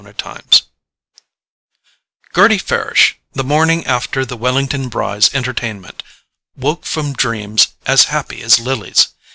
Chapter 14 Gerty Farish, the morning after the Wellington Brys' entertainment, woke from dreams as happy as Lily's.